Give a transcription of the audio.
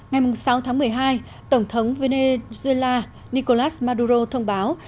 ngày sáu tháng một mươi hai tổng thống venezuela nicolas maduro thông báo